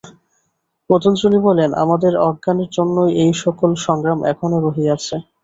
পতঞ্জলি বলেন, আমাদের অজ্ঞানের জন্যই এই-সকল সংগ্রাম এখনও রহিয়াছে।